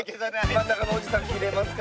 真ん中のおじさん切れますか？